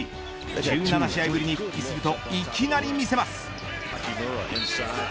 １７試合ぶりに復帰するといきなり見せます。